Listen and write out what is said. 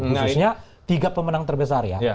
khususnya tiga pemenang terbesar ya